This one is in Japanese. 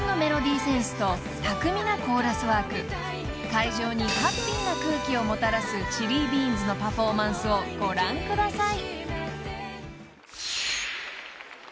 ［会場にハッピーな空気をもたらすＣｈｉｌｌｉＢｅａｎｓ．のパフォーマンスをご覧ください］